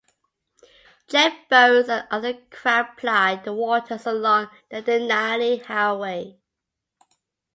Jetboats and other craft ply the waters along the Denali Highway.